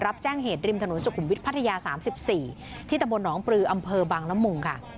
รับแจ้งเหตุริมถนนสุขุมวิทยพัทยา๓๔ที่ตะบนหนองปลืออำเภอบังละมุงค่ะ